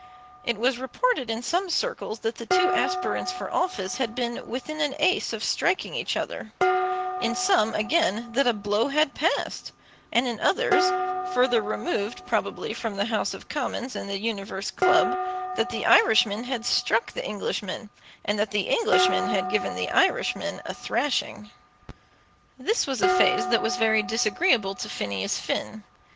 It was reported in some circles that the two aspirants for office had been within an ace of striking each other; in some, again, that a blow had passed, and in others, further removed probably from the House of Commons and the Universe Club, that the Irishman had struck the Englishman, and that the Englishman had given the Irishman a thrashing. This was a phase that was very disagreeable to Phineas Finn.